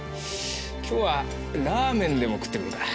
今日はラーメンでも食ってみるか。